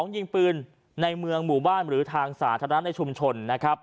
ยิงปืนในเมืองหมู่บ้านหรือทางสาธารณะในชุมชนนะครับ